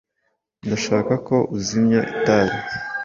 Ndashaka ko uzimya itabi.